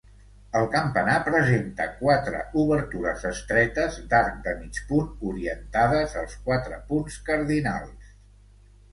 El campanar presenta quatre obertures estretes d'arc de mig punt orientades als quatre punts cardinals.